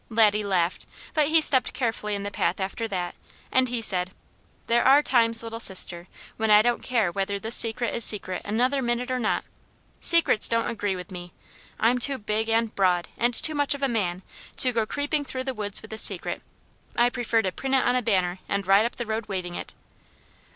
Laddie laughed, but he stepped carefully in the path after that, and he said: "There are times, Little Sister, when I don't care whether this secret is secret another minute or not. Secrets don't agree with me. I'm too big, and broad, and too much of a man, to go creeping through the woods with a secret. I prefer to print it on a banner and ride up the road waving it."